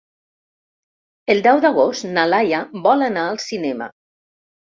El deu d'agost na Laia vol anar al cinema.